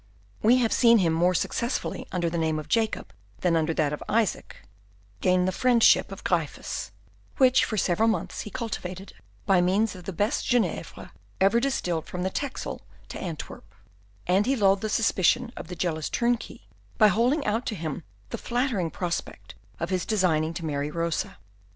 We have seen him, more successful under the name of Jacob than under that of Isaac, gain the friendship of Gryphus, which for several months he cultivated by means of the best Genièvre ever distilled from the Texel to Antwerp, and he lulled the suspicion of the jealous turnkey by holding out to him the flattering prospect of his designing to marry Rosa.